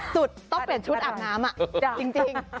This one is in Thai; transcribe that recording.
สุดต้องเปลี่ยนชุดอาบน้ำจริง